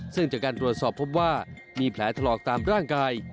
ซึ่งจากการตรวจสอบพบว่ามีแผลถลอกตามร่างกาย